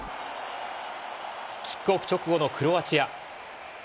キックオフ直後のクロアチア。